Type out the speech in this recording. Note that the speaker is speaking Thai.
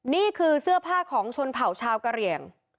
นี่คือเสื้อผ้าของชนเผ่าชาวกะเหลี่ยง